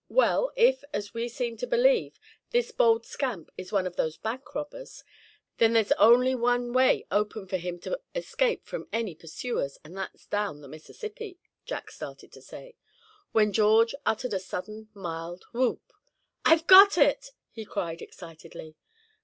"Well, if, as we seem to believe, this bold scamp is one of those bank robbers, there's only one way open for him to escape from any pursuers, and that's down the Mississippi," Jack started to say; when George uttered a sudden mild whoop. "I've got it!" he cried, excitedly.